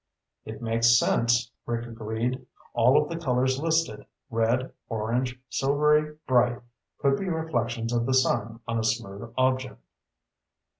"It makes sense," Rick agreed. "All of the colors listed red, orange, silvery, bright could be reflections of the sun on a smooth object."